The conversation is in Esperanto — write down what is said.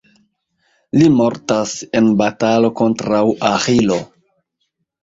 Li mortas en batalo kontraŭ Aĥilo.